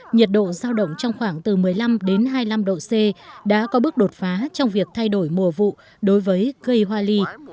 nhiệt độ giao động trong khoảng từ một mươi năm đến hai mươi năm độ c đã có bước đột phá trong việc thay đổi mùa vụ đối với cây hoa ly